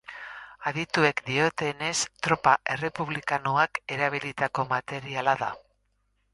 Adituek diotenez, tropa errepublikanoak erabilitako materiala da.